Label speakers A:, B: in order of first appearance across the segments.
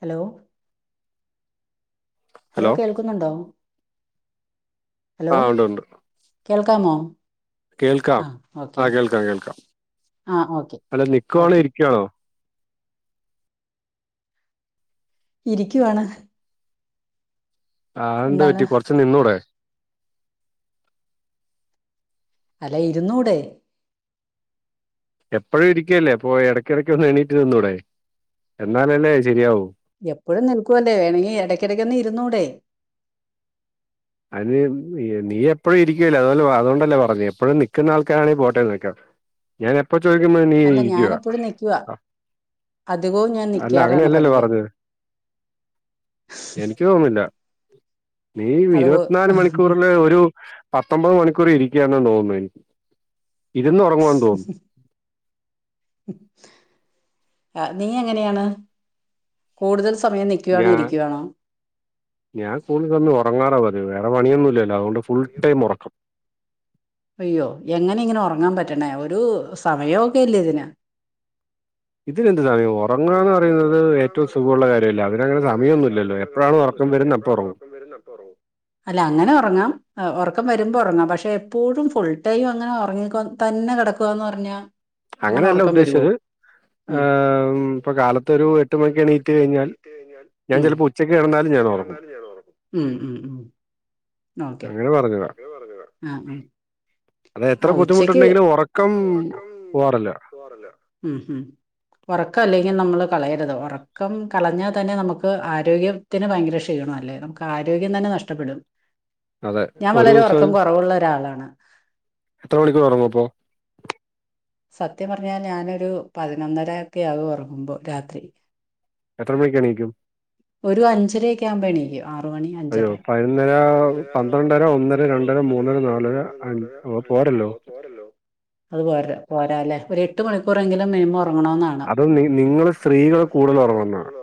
A: Hello? Hello കേൾക്കുന്നുണ്ടോ hello കേൾക്കാമോ?
B: കേൾക്കാം ആ കേൾക്കാം കേൾക്കാം അല്ല നിക്കുവാണോ ഇരിക്കവാണോ?
A: ഇരിക്കുവാണ്.
B: ആ എന്താപറ്റി കൊർച്ച് നിന്നൂടെ
A: അല്ല ഇരുന്നൂടെ?
B: എപ്പോഴും ഇരിക്കല്ലേ അപ്പോ ഇടയ്ക്കിടക്ക് ഒന്ന് എണീട്ട് നിന്നൂടെ എന്നാലല്ലേ ശരിയാവു.
A: എപ്പോഴും നിൽക്കുവല്ലേ വേണ്ടങ്കിൽ ഇടയ്ക്കിടയ്ക്ക്ന്ന് ഇരുന്നൂടെ?
B: അതിന് നീ എപ്പോഴും ഇരിക്കല്ല അതുപോലെ അതുകൊണ്ടല്ലേ പറഞ്ഞ് എപ്പോഴും നിൽക്കുന്ന ആൾക്കാരാണ പോട്ടേന്ന് വെക്കാം. ഞാൻ എപ്പ ചോദിക്കുമ്പോ നീ ഇരിക്കുവ.
A: അധികവും ഞാൻ നിക്കാറാണ് പതിവ്.
B: [unintelligible] നില്ല നീ ഇരുപത്തിനാല് മണിക്കൂറില് ഒരു പത്തൊമ്പത് മണിക്കൂർ ഇരിക്കുകയാെന്ന് തോന്നുന്നു എനിക്ക്
A: [unintelligible] ആ നീ എങ്ങനെയാണ് കൂടുതൽ സമയം നി
B: ഞാൻ ഞാൻ കൂടുതൽ സമയം ഉറങ്ങാറ പതിവ്. വേറെ പണിയൊന്നും ഇല്ലല്ലോ. അതുകൊണ്ട് ഫുൾ ടൈം ഉറക്കം
A: അയ്യോ എങ്ങനെ ഇങ്ങനെ ഉറങ്ങാൻ പറ്റണേ ഒരു സമയമൊക്കെ ഇല്ല ഇതിന്?
B: ഇതിലെന്തു സമണ് ഉറങ്ങാ എന്ന് പറയുന്നത് ഏറ്റവും സുഖമുള്ള കാര്യ
A: ഏറ്റവും സുഖള്ള കാര്യല്ലെ അതിന് സമയന്നുല്ലലോ എപ്പയാണോ ഉറക്കംവരുന്നത്. അപ്പൊ ഉറങ്ങും. അല്ല അങ്ങനെ ഉറങ്ങാം. ആ ഉറക്ക വരുമ്പോ ഉറങ്ങാം പക്ഷെ എപ്പോഴും ഫുൾ ടൈം അങ്ങനെ ഉറങ്ങിതന്നെ കിടക്കുന്ന് പറഞ്ഞാ
B: അങ്ങനെയല്ല ഉദ്ദേശിച്ചത്. ഇപ്പൊ കാലത്തൊരു എട്ട് മണിക്ക് എണീറ്റ് കഴിഞ്ഞാൽ
A: കഴിഞ്ഞാൽ ഞാൻ ചിലപ്പോ ഉച്ചക്ക് കിടന്നാലും ഞാൻ ഉറങ്ങും.
B: അങ്ങനെ പറഞ്ഞതാ.
A: ഉം ഉം
B: അല്ല എത്ര ബുദ്ധിമുട്ടുണ്ടെങ്കിലും ഉറക്കം പോവാറില്ല.
A: [unintelligible] ഉം ഉം ഒറക്ക അല്ലെങ്കി നമ്മള് കളയര്ത് ഒറക്കം കളഞ്ഞ തന്നെ നമുക്ക് ആരോഗ്യത്തിന് ഭയങ്കര ക്ഷീണ അല്ലേ? നമുക്ക് ആരോഗ്യം തന്നെ നഷ്ടപ്പെടും. ഞാൻ വളരെ ഉറക്കം കുറവുള്ള ഒരാളാണ്.
B: എത്ര മണിക്കൂർറങ്ങും അപ്പ?
A: സത്യം പറഞ്ഞാൽ ഞാനൊരു പതിനൊന്നര ഒക്കെ ആവ ഉറങ്ങുമ്പോ രാത്രി.
B: എത്ര മണിക്ക്ണിക്കും?
A: ഒരു അഞ്ചരയൊക്കെ യാമ്പോ എണീക്കും.
B: അയ്യോ പതിനൊന്നര പന്ത്രണ്ടര ഒന്നര രണ്ടര മൂന്നര നാലര ഓ പോരല്ലോ?
A: അത് പോരാ പോരാല്ലെ ഒരു എട്ട് മണിക്കൂറെങ്കിലും മിനിമം ഉറങ്ങണോ ന്നാണ്.
B: അത് നിങ്ങള് സ്ത്രീകള് കൂടുതൽ ഉറങ്ങുന്നോണ്ടാണ്.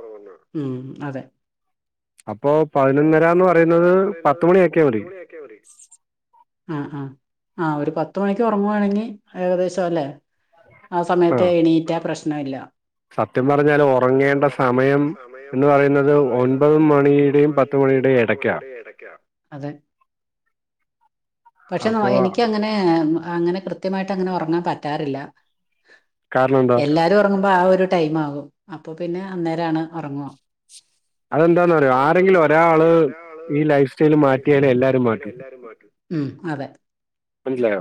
A: ഉം അതെ
B: അപ്പോ പതിനൊന്നരന്ന് പറയുന്നത് പത്തു മണിയാക്കിയാൽ മതി.
A: മതി. ആ ആ ആ ഒരു പത്ത് മണിക്ക് ഉറങ്ങവാണെങ്കിൽ ഏകദേശ സുഹല്ലേ ആ സമയത്ത് എണീറ്റ പ്രശ്നല്ല.
B: സത്യം പറഞ്ഞാല് ഉറങ്ങേണ്ട സമയം എന്ന് പറയുന്നത് ഒൻപത് മണിയുടെയും പത്ത്
A: പത്ത് മണിയുടെയും ഇടക്ക. അതേ
B: [inaudible]
A: പക്ഷെ എനിക്കങ്ങനെ അങ്ങനെ കൃ കൃത്യമായിട്ട് അങ്ങനെ ഉറങ്ങാൻ പറ്റാറില്ല. എല്ലാ ഉറങ്ങുമ്പോ ആ ഒരു ടൈം ആകും. അപ്പൊ പിന്നെ അന്നേരാണ് ഉറങ്ങ
B: അതെന്താന്നറിയോ ആരെങ്കിലും ഒരാള് ഈ ലൈഫ് സ്റ്റൈല് മാറ്റിയാലെ എല്ലാരും മാറ്റു
A: ഉം അതെ
B: മൻസിലായോ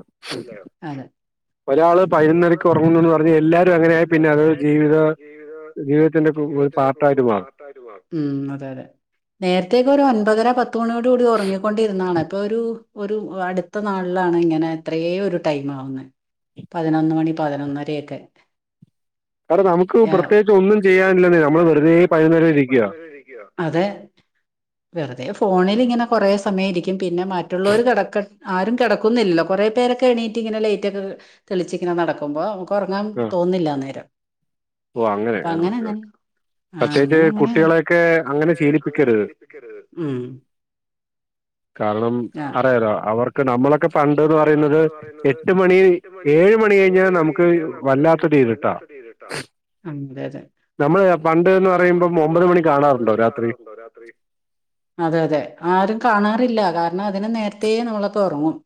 B: ഒരാള് പൈനൊന്നരക്ക് ഉറങ്ങുന്നുന്ന് പറഞ്ഞ് എല്ലാരും അങ്ങനെയായി പിന്നെ അതൊരുജീവിത ജീവിതത്തിന്റെക്കെ ഒരു പാർട്ടായിട്ട് മാറും
A: ഉം അതെ അതെ നേരത്തേക്ക ഒരു ഒൻപതര പത്ത മണിയോട് കൂടി ഉറങ്ങിക്കൊണ്ടിരുന്നതാണ് ഇപ്പൊ ഒരു ഒരു അടു ത്ത നാളിലാണ് ഇങ്ങനെ എത്രയേ ഒരു ടൈംമാവുന്നേ പതിനൊന്ന് മണി പതിനൊന്നരൊക്കെ
B: എട നമുക്ക് പ്രത്യേകിച്ച് ഒന്നും ചെയ്യാനില്ലന്നേ നമ്മള് വെറുതെ പൈനന്നൊരാ വരെ ഇരിക്കുവാ
A: അതെ വെറുതെ ഫോണില്ങ്ങനെ കുറേ സമയിരിക്കും പിന്നെ മറ്റുള്ളവർ കിടക്ക ആരും കിടക്കുന്നില്ലല്ലോ കൊറേ പേരൊക്കെ എണീറ്റ്ങ്ങനെലേയിട്ട് ഒക്കെ തെളിച്ചിങ്ങനെ നടക്കുമ്പോ നമുക്ക് ഉറങ്ങാൻ തോന്നില്ലന്നേരം
B: ഓ അങ്ങനെ ആ ഓക്കെ ഓക്കെ പ്രത്യേകിച്ച് കുട്ടികളെയൊക്കെ അങ്ങനെ ശീലിപ്പിക്കരുത്
A: ഉം
B: കാരണം അറിയാലോ അവർക്ക് നമ്മളൊക് പണ്ട്ന്ന് പറയുന്നത് എട്ട് മണി ഏഴ് മണി കഴിഞ്ഞാ നമുക്ക് വല്ലാത്തരു ഇരുട്ടാ [unintelligible]
A: ഒൻപത്
B: നമ്മള് പണ്ട് ന്ന് പറയുമ്പം ഒമ്പത് മണി കാണാറുണ്ടോ രാത്രി
A: [unintelligible] രാത്രി അതെ അതെ ആരും കാണാറില്ല കാരണം അതിന് നേരത്തേ നമ്മളൊക്ക ഉറങ്ങും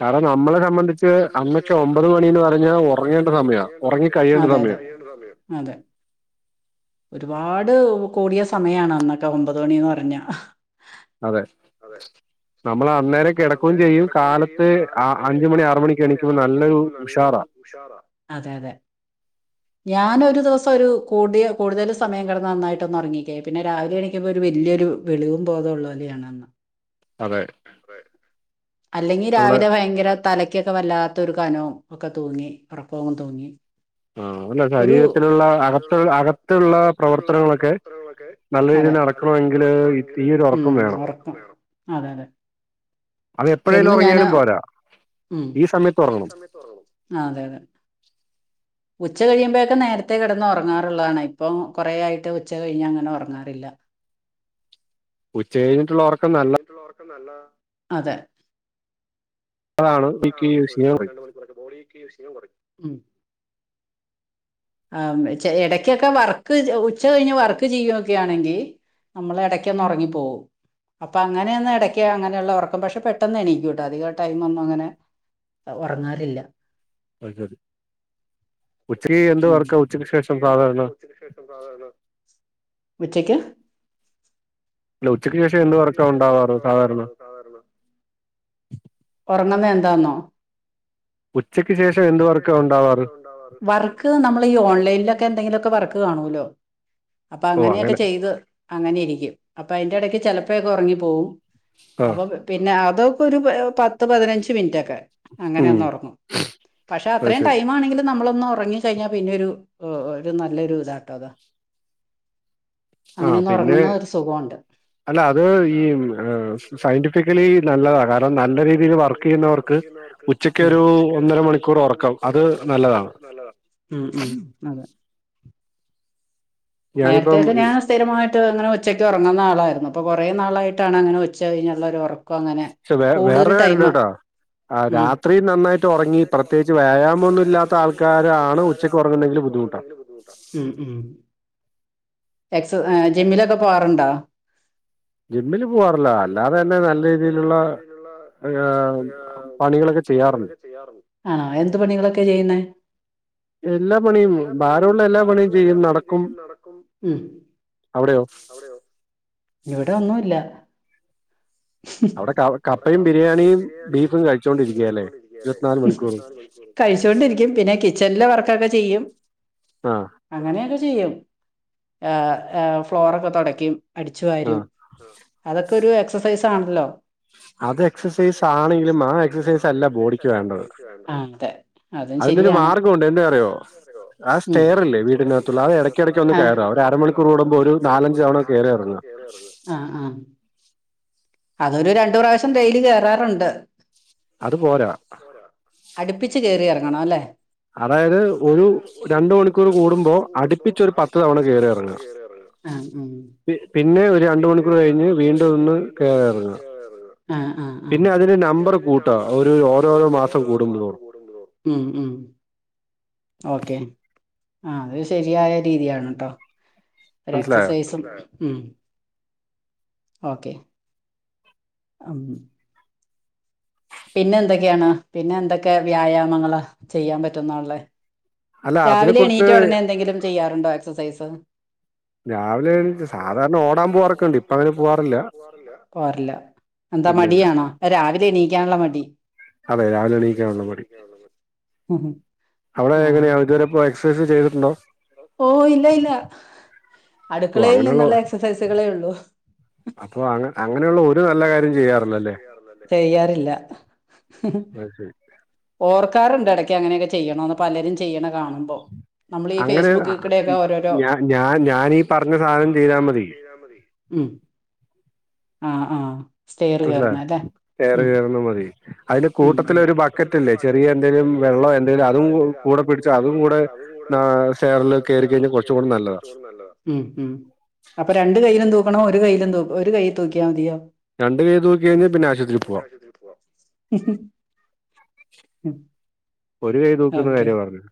B: കാരണം നമ്മളെ സംബന്ധി
A: മ്മളെ സംബന്ധിച്ച് അന്നൊക്കെ ഒമ്പത് മണിന്ന് പറഞ്ഞാ ഉറങ്ങേണ്ട സമയംഅതേ അതേ ഒരുപാട് കൂടിയ സമയാണ് അന്നൊക്കെ ഒമ്പത് മണിന്ന് പറഞ്ഞ
B: അതെ നമ്മളന്നേരം കിടക്കുകയും ചെയ്യും കാലത്ത് അഞ്ജ് മണി ആറ് മണിക്ക് എണിക്കുമ്പോൾ നല്ലൊരു ഉഷാറാ
A: ഉഷാറ അതെ അതെ
B: [inaudible]
A: ഞാനൊരു ദിവസം ഒരു കൂടിയ കൂടുതലും സമയം കടന്ന നന്നായിട്ടൊന്ന് ഉറങ്ങിക്കായി പിന്നെ രാവിലെ എണിക്കുമ്പൊ ഒരു വലിയൊരു വെളിവും ബോധ ഉുള്ളോലയാണെന്ന്
B: അതെ
A: [unintelligible] അല്ലെങ്കിൽ രാവിലെ ഭയങ്കര തലക്കൊക്കെ വല്ലാത്തൊരു ഒരു കനവും ഒക്കെ തൂങ്ങി ഉറക്കവും തൂങ്ങി
B: ആ അവന്റെ ശരീരത്തിലുള്ള അകത്ത് അകത്തുള്ള പ്രവർത്തനങ്ങളൊക്കെ
A: അതെ നല്ല രീതി നടക്കണമെങ്കില് ഒറക്കം വേണം അതെതെ
B: അത് എപ്പോഴേലും ഒറങ്ങിയാലും പോരാ ഈ സമയത്ത് ഒറങ്ങണം
A: ആ അതെ അതെ
B: [inaudible]
A: ഉച്ചകഴിയുമ്പോഴൊക്കെ നേരത്തെ കെടന്ന് ഒറങ്ങാറുള്ളതാണ് ഇപ്പൊ കുറ ആയിട്ട് ഉച്ചകഴിഞ്ഞ് അങ്ങനെ ഒറങ്ങാറില്ല ഇല്ല
B: ഉച്ച കഴിഞ്ഞിട്ടൊള്ളഒറക്കം നല്ല
A: ഒറക്കം നല്ലത അതെ
B: അതാണ് [unintelligible]
A: [unintelligible] ആ ചെ ഇടക്കൊക്കെ വർക്ക് ഉച്ച കഴിഞ്ഞ് വർക്ക് ചെയ്യുവൊക്കെ ആണെങ്കി നമ്മള് ഇടക്കൊന്ന് ഒറങ്ങി പോവും അപ്പൊ അങ്ങനെയന്ന് എട എനിക്കെ അങ്ങനെയുള്ള ഒറക്കം പക്ഷെ പെട്ടെന്ന് ഏണിക്കുട്ടോ അധിക ടൈംഒന്നും അങ്ങനെ ഒ ഒറങ്ങാറില്ല
B: അത് ശെരി ഉച്ചയ് എന്ത് വർക്കാ ഉച്ചക്ക് ശേഷം സാധാരണ
A: [inaudible] ഉച്ചക്ക്
B: അല്ല ഉച്ചയ്ക്ക് ശേഷം എന്ത് വർക്കാ ഉണ്ടാവാറ്
A: ഉണ്ടാവാറ് സാധാരണ ഒറങ്ങ്ന്നെ എന്താന്നോ
B: ഉച്ചയ്ക്ക് ശേഷം എന്ത്‌ വർക്കാ ഉണ്ടാവാറ്
A: വർക്ക് നമ്മള് ഈ ഓൺലൈനിലൊക്കെ എന്തെങ്കിലൊക്കെ വർക്ക് കാണോല്ലോ അപ്പൊ അങ്ങനെയൊക്കെ ചെയ്ത് അങ്ങനെ ഇരിക്കും അപ്പൊ അന്റെ എടക്ക് ചെലപ്പയൊക്കെ ഒറങ്ങി പോകും അപ്പൊ പിന്നെ അതൊക്കെ ഒരു പത്ത് പതിനഞ്ച് മിനിറ്റൊക്കെ അങ്ങനൊന്ന് ഒറങ്ങും പക്ഷെ അത്രയും ടൈം ആണെങ്കിലും നമ്മളൊന്ന് ഒറങ്ങി ക്കഴിഞ്ഞാ പിന്നെരു ഒരു നല്ലൊരു ഇതാട്ടോ അത്
B: ആ പിന്നെ അല്ല അത് ഈ ആ സയന്റിഫിക്കലി നല്ലതാ കാരണം നല്ല രീതിയിൽ വർക്ക് ചെയ്യുന്നവർക്ക് ഉച്ചക്കൊരു ഒന്നര മണിക്കൂർ ഒറക്കം
A: ഒര് ഒറക്കം അത് നല്ലതാ മ്മ് മ്മ് അത നേരത്തെക്കെ ഞാൻ സ്ഥിരമായിട്ട് അങ്ങനെ ഉച്ചക്ക് ഒറങ്ങുന്ന ആളായിരുന്നു ഇപ്പോ കൊറേ നാളായിട്ടാണ് അങ്ങനെ ഉച്ച കഴിഞ്ഞുള്ളൊരു ഒറ
B: പക്ഷെ വേ വേറൊരു കാര്യംണ്ട്‌ട്ടോ ആഹ് രാത്രി നന്നായിട്ട് ഒറങ്ങി പ്രത്യേകിച്ച് വ്യായാമം ഒന്നുംഇല്ലാത്ത ആൾക്കാരാണ് ഉച്ചയ്ക്ക് ഒറങ്ങ്ന്നതെങ്കിൽ ബുദ്ധിമുട്ട് ട്ടാ
A: ഉം ഉം എക്സ് ഏഹ് ജിമ്മിലൊക്കെ പോവാറുണ്ടോ?
B: ജിമ്മില് പോവാറില്ല അല്ലാതെ തന്നെ നല്ല രീതിയിലുള്ള ഹ് പണികളൊക്കെ ചെയ്യാറുണ്ട്
A: ചെയ്യാറുണ്ട് ആഹ് എന്ത് പണികളൊക്കെ ചെയ്യുന്നെ
B: എല്ലാ പണിയും ഭാരൊള്ള എല്ലാ പണിയും ചെയ്യും നടക്കും
A: ഹ്മ് അവിടെയോ ഇവിടെ ഒന്നുല്ല
B: അവിടെ ക കപ്പയും ബിരിയാണിയും ബീഫും കഴിച്ചോണ്ടിരിക്കുകല്ലേ ഇരുപത്തിനാല് മണിക്കൂറും
A: കഴിച്ചോണ്ടിരിക്കും പിന്നെ കിച്ചണിലെ വർക്കൊക്കെ ചെയ്യും
B: ആഹ്
A: അങ്ങനെയൊക്കെ ചെയ്യും ആഹ് ഏഹ് ഫ്ലോറൊക്കെ തൊടയ്ക്കും അടിച്ചുവാരും അതൊക്കെ ഒരു എക്സസൈസ് ആണല്ലോ
B: അത് എക്സ
A: അത് എക്സസൈസ് ആണെങ്കിലും ആ എക്സസൈസ് അല്ല ബോഡിക്ക് വേണ്ടത് അതെ
B: അതിനൊരു മാർഗം ഒണ്ട് എന്താന്നറിയോ ആ സ്റ്റെയറില്ലേ വീടിനകത്ത് ത്തുള്ള അത് എടക്ക്‌ എടക്ക് ഒന്ന് കേറ ഒര് അരമണിക്കൂർ കൂടുമ്പോൾ ഒരു നാലഞ്ച് തവണ കേറിയിറങ്ങ
A: ആഹ് ആഹ് അതൊരു രണ്ടു പ്രാവശ്യം ഡെയിലി കേറാറുണ്ട്
B: അത് പോരാ
A: അടുപ്പിച്ച് കെറിയിറങ്ങണം അല്ലേ
B: അതായത് ഒരു രണ്ട്‌ മണിക്കൂർ കൂടുമ്പോ
A: കൂടുമ്പോ അടുപ്പിച്ച് ഒരു പത്ത് തവണ കേറി ഇറങ്ങണം
B: പി പിന്നെ ഒരു രണ്ട്‌ മണിക്കൂർ കഴിഞ്ഞ് വീണ്ടും ഒന്ന് കേറി എറങ്ങാ
A: ആഹ് ആഹ് ആഹ് പിന്നെ അതിന് നമ്പർ കൂട്ടാ ഒരു ഓരോരോ മാസം കൂടുമ്പോ മ് മ് ഓക്കെ ആഹ് അഹ് ശരിയായ രീതിയാണ് ട്ടോ ഒരു എക്സസൈസ് ഉം ഓക്കെ ആം പിന്നെ എന്തൊക്കെയാണ് പിന്നെ എന്തൊക്കെ വ്യായാമങ്ങളാ ചെയ്യാൻ പറ്റുന്ന ഉള്ളേ രാവിലെ എണീറ്റ ഉടനെ എന്തെങ്കിലും ചെയ്യാറുണ്ടോ എക്സസൈസ്
B: രാവിലെ
A: രാവിലെ സാധാരണ ഓടാൻ പോവാറൊക്കെണ്ട് ഇപ്പങ്ങനെ പോവാറില്ല പോവാറില്ല എന്താ മടിയാണോ രാവിലെ എണീക്കാനുള്ള മടി
B: അതെ രാവിലെ എണീക്കാനുള്ള മടി അവിടെ എങ്ങനെയാണ് ഇ എക്സൈസ് ചെയ്തിട്ടണ്ടോ
A: ഓ ഇല്ല ഇല്ല
B: ഓ അങ്ങനെയുള്ള അപ്പൊ അ അങ്ങനെയുള്ള ഒരു നല്ല കാര്യം ചെയ്യാറില്ലല്ലേ
A: ചെയ്യാറില്ല ഹ് ഹ് ഓർക്കാറ്ണ്ട് ഇടക്ക് അങ്ങനെയൊക്കെ ചെയ്യണന്ന് പലരും ചെയ്യണ കാണുമ്പോ നമ്മൾ
B: അങ്ങനെ ഞ ഞാ ഞാനീ പറഞ്ഞ സാധനം ചെയ്താൽ മതി
A: മ് ആഹ് ആഹ്
B: ഇല്ലാ ഏറെ കയറുന്ന മതി അതിന് കൂട്ടത്തില ഒരു ബക്കറ്റല്ലേ ചെറിയ എന്തെങ്കിലും വെള്ളം എന്തെലും അതും കൂടെ പിടിച്ചു അതും കൂടെ ന സേറൽ കേറി കഴിഞ്ഞാൽ കുറച്ചും കൂടി നല്ലതാണ്
A: ഉം ഉം അപ്പൊ രണ്ട് കൈയിലും തൂക്കണോ ഒരു കൈയിലും തു ഒരു കൈൽ തൂക്കിയാൽ മതിയോ
B: രണ്ടു കൈ തുക്കിയ കഴിഞ്ഞാൽ പിന്നെ ആശുപത്രിൽ പോവാ
A: ഹ് ഹ്
B: [inaudible]
A: ഹ്
B: ഒരു കൈയ് തുക്കുന്ന കാര്യ പറഞ്ഞെ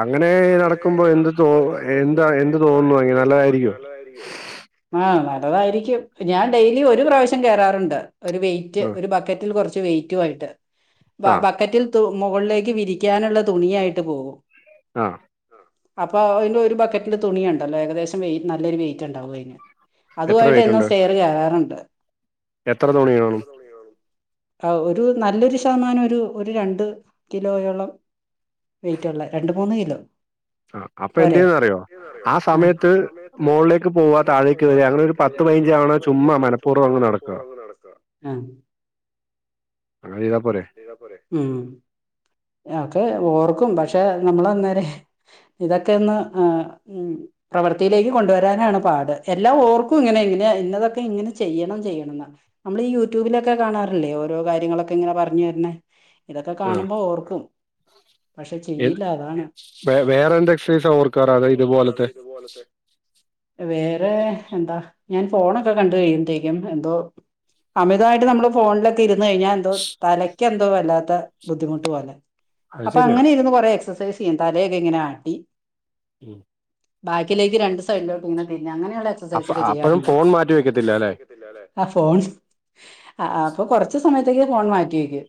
B: അങ്ങനെ നടക്കുമ്പോ എന്ത് തോ എന്താ എന്ത് തോന്നുന്നു അ നല്ലതായിരിക്കോ
A: ആഹ് നല്ലതായിരിക്കും ഞാൻ ഡെയിലി ഒരു പ്രാവശ്യം കേറാറുണ്ട് ഒരു വെയിറ്റ് ഒരു ബക്കറ്റിൽ കുറച്ച് വെയിറ്റുമായിട്ട് ബക്കറ്റിൽ മുകളിലേക്ക് വിരിക്കാനുള്ള തുണിയായിട്ട് പോകും
B: ആഹ്
A: അപ്പൊ അതിന്റെ ഒരു ബക്കറ്റിന്റെ തുണിയുണ്ടല്ലോ ഏകദേശം വെയ്റ്റ് നല്ലരു വെയിറ്റ് ഉണ്ടാവും അതിന് അതുമായിട്ട് എന്നും സ്റ്റെയറ് കയറാറുണ്ട്
B: എത്ര തുണി കാണും
A: ആഹ് ഒരു നല്ലൊരു ശതമാനം ഒരു ഒരു രണ്ട് കിലോയോളം വെയിറ്റ്ള്ള രണ്ട് മൂന്ന് കിലോ
B: ആഹ് അപ്പൊ എന്തെയ്ന്ന് അറിയോ ആഹ് സമയത്ത് മുകളിലേക്ക് പോവാ താഴേക്ക് വരിക അങ്ങനെ ഒരു പത്ത് പതിനഞ്ചവണ ചുമ്മാ മന
A: ചുമ്മാ മനപ്പൂർവം അങ്ങ് നടക്കാം
B: അങ്ങനെ ചെയ്തപോരെ
A: ഉം ഒക്കെ ഓർക്കും പക്ഷെ നമ്മളന്നേരെ ഇതൊക്കെ ഒന്ന് ആഹ് പ്രവൃത്തിയിലേക്ക് കൊണ്ടുവരാനാണ് പാട് എല്ലാം ഓർക്കും ഇങ്ങനെ ഇങ്ങനെ ഇന്നതൊക്കെ ഇങ്ങനെ ചെയ്യണം ചെയ്യണം നമ്മൾ ഈ യൂട്യൂബിലൊക്കെ കാണാറില്ലേ ഓരോ കാര്യങ്ങളൊക്കെ ഇങ്ങനെ പറഞ്ഞു തരണേ ഇതൊക്കെ കാണുമ്പോ ഓർക്കും പക്ഷെ ചെയ്യില്ല അതാണ്
B: വെ വേറെ എന്താ എക്സസൈസ ഓർക്കാറ അത് ഇതുപോലത്തെ
A: വേറെ എന്താ ഞാൻ ഫോണൊക്കെ കണ്ട കഴിയുമത്തേക്കും എന്തോ അമിതമായിട്ട് നമ്മള് ഫോണിലൊക്കെ ഇരുന്ന് കഴിഞ്ഞാൽ എന്തോ തലയ്ക്ക് എന്തോ വല്ലാത്ത ബുദ്ധിമുട്ട് പോലെ അപ്പൊ അങ്ങനെ ഇരുന്നു കുറെ എക്സസൈസ് ചെയ്യാ തലയൊക്കെ ഇങ്ങനെ ആട്ടി
B: മം [unintelligible]
A: ബാക്കിലേക്ക് രണ്ട് സൈഡിലോട്ട് ഇങ്ങനെതിന്നെങ്ങെയുള്ള
B: അപ്പ അപ്പഴും ഫോൺ മാറ്റി വെക്കത്തില്ല അല്ലെ
A: ആ ഫോൺസ് ആ അപ്പൊ കുറച്ച സമയത്തേക്ക് ഫോൺ മാറ്റിവെക്കും